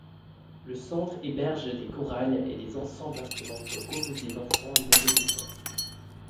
Le Centre héberge des chorales et des ensembles instrumentaux composés d'enfants et d'adolescents.